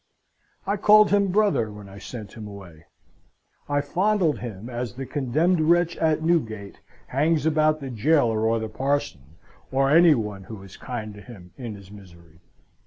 I called him Brother when I sent him away. I fondled him as the condemned wretch at Newgate hangs about the jailor or the parson, or any one who is kind to him in his misery.